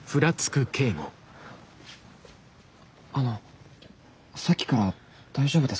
あのさっきから大丈夫ですか？